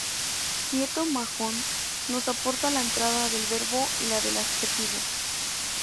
Nieto Manjón nos aporta la entrada del verbo y la del adjetivo.